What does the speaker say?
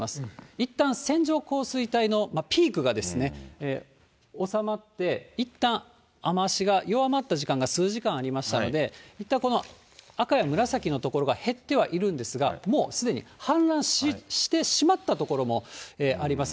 いったん線状降水帯のピークが収まって、いったん雨足が弱まった時間が数時間ありましたので、いったんこの赤や紫の所が減ってはいるんですが、もうすでに氾濫してしまった所もあります。